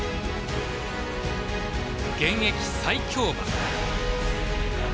現役最強馬。